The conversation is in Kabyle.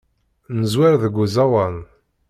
Neẓwer deg uẓawan.